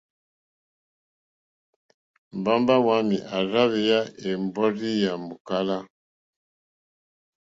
Mbamba wàami à rza hweya è mbɔrzi yà mòkala.